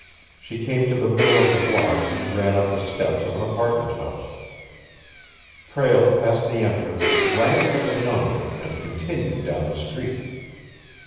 She came to the middle of the block and ran up the steps of an apartment house. Prale passed the entrance, glanced at the number, and continued down the street.